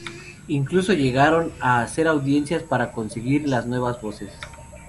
Incluso, llegaron a hacer audiencias para conseguir a las nuevas voces.